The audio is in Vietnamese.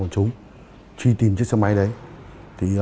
của chúng truy tìm chiếc xe máy đấy thì